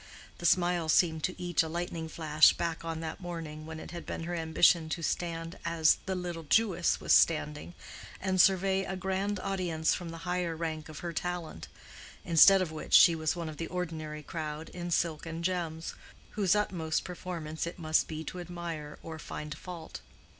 The smile seemed to each a lightning flash back on that morning when it had been her ambition to stand as the "little Jewess" was standing, and survey a grand audience from the higher rank of her talent—instead of which she was one of the ordinary crowd in silk and gems, whose utmost performance it must be to admire or find fault.